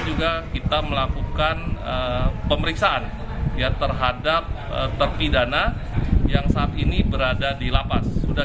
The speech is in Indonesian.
juga kita melakukan pemeriksaan ya terhadap terpidana yang saat ini berada di lapas sudah